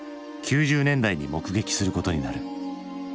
９０年代に目撃することになる。